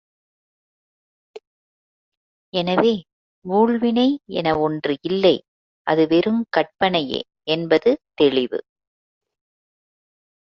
எனவே, ஊழ்வினை என ஒன்று இல்லை அது வெறுங் கற்பனையே என்பது தெளிவு.